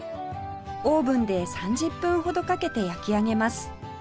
オーブンで３０分ほどかけて焼き上げます